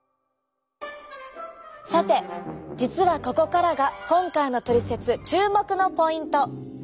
さて実はここからが今回のトリセツ注目のポイント。